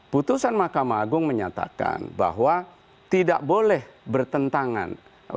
putusan mahkamah agung menyatakan bahwa tidak boleh bertentangan